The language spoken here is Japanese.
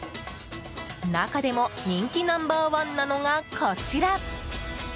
中でも人気ナンバー１なのがこちら！